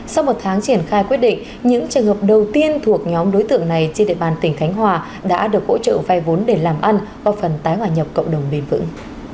sau một tháng triển khai quyết định những trường hợp đầu tiên thuộc nhóm đối tượng này trên địa bàn tỉnh khánh hòa đã được hỗ trợ vay vốn để làm ăn và phần tái hòa nhập cộng đồng bền vững